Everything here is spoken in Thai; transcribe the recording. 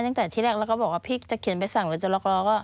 ตั้งแต่ที่แรกแล้วก็บอกว่าพี่จะเขียนใบสั่งหรือจะล็อกล้อก็